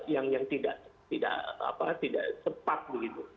yang tidak sepat begitu